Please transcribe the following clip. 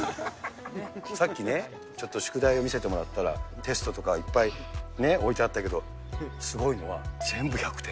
さっきね、ちょっと宿題を見せてもらったら、テストとかいっぱいね、置いてあったけど、すごいのは全部１００点。